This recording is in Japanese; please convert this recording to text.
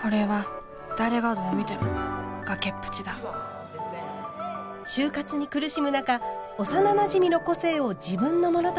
これは誰がどう見ても崖っぷちだ就活に苦しむ中幼なじみの個性を自分のものとして偽った主人公。